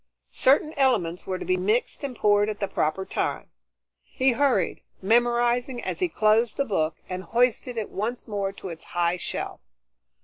Certain elements were to be mixed and poured at the proper time. He hurried, memorizing as he closed the book, and hoisted it once more to its high shelf.